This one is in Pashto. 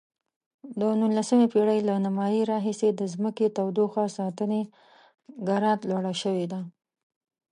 د نولسمې پیړۍ له نیمایي راهیسې د ځمکې تودوخه سانتي ګراد لوړه شوې ده.